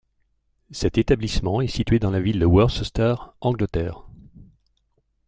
Cet établissement est situé dans la ville de Worcester, Angleterre.